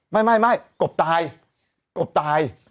ไม่กบตาย